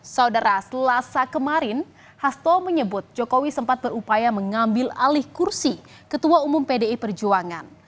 saudara selasa kemarin hasto menyebut jokowi sempat berupaya mengambil alih kursi ketua umum pdi perjuangan